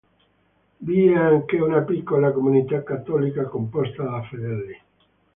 Vi è anche una piccola comunità cattolica composta da fedeli.